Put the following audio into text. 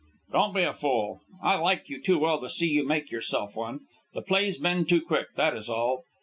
"Don't be a fool! I like you too well to see you make yourself one. The play's been too quick, that is all.